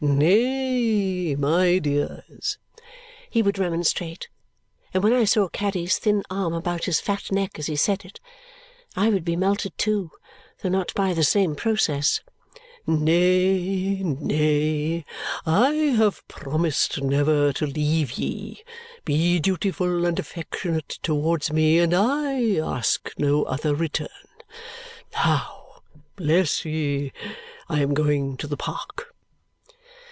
"Nay, my dears," he would remonstrate; and when I saw Caddy's thin arm about his fat neck as he said it, I would be melted too, though not by the same process. "Nay, nay! I have promised never to leave ye. Be dutiful and affectionate towards me, and I ask no other return. Now, bless ye! I am going to the Park."